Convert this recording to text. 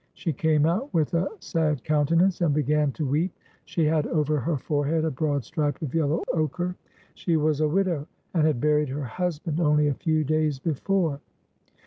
She came out with a sad countenance, and began to weep. She had over her forehead a broad stripe of yellow 414 THE VILLAGE OF DWARFS ocher. She was a widow, and had buried her husband only a few days before.